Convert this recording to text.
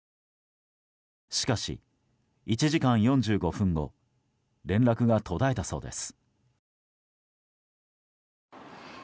しかし、１時間４５分後連絡が途絶えたそうです。